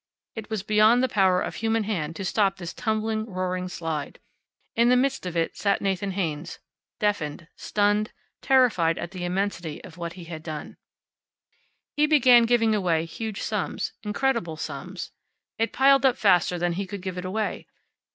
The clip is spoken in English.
It was beyond the power of human hand to stop this tumbling, roaring slide. In the midst of it sat Nathan Haynes, deafened, stunned, terrified at the immensity of what he had done. He began giving away huge sums, incredible sums. It piled up faster than he could give it away.